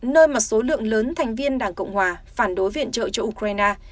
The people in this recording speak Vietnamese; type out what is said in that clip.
nơi mà số lượng lớn thành viên đảng cộng hòa phản đối viện trợ cho ukraine